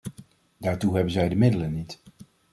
Daartoe hebben zij de middelen niet.